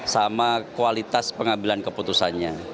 sama kualitas pengambilan keputusannya